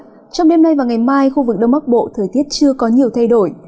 trong đêm nay và ngày mai khu vực đông bắc bộ thời tiết chưa có nhiều thay đổi